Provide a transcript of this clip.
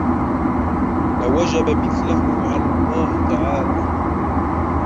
لَوَجَبَ مِثْلُهُ عَلَى اللَّهِ تَعَالَى